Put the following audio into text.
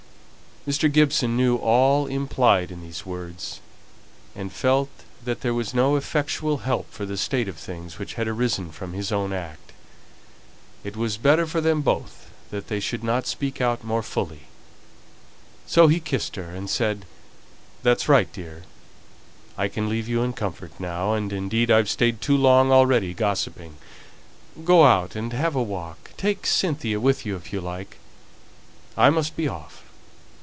Mr. Gibson knew all implied in these words, and felt that there was no effectual help for the state of things which had arisen from his own act. It was better for them both that they should not speak out more fully. So he kissed her, and said, "That's right, dear! I can leave you in comfort now, and indeed I've stayed too long already gossiping. Go out and have a walk take Cynthia with you, if you like. I must be off.